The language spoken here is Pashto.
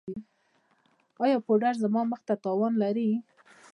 ایا پوډر زما مخ ته تاوان لري؟